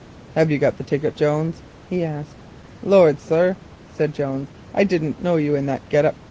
"Have you got the ticket, Jones?" he asked. "Lord, sir," said Jones, "I didn't know you in that get up.